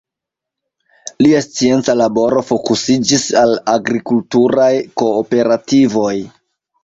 Lia scienca laboro fokusiĝis al agrikulturaj kooperativoj.